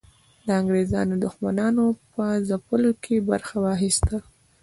د انګریزانو دښمنانو په ځپلو کې برخه واخیسته.